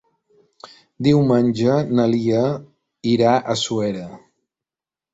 Diumenge na Lia irà a Suera.